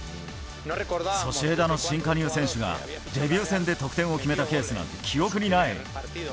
ソシエダの新加入選手がデビュー戦で得点を決めたケースなんて記憶にない。